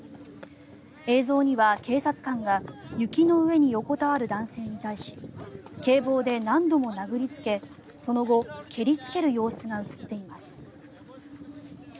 映像には警察官が雪の上に横たわる男性に対し警棒で何度も殴りつけその後、蹴りつける様子が映っています。